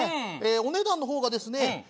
お値段の方がですね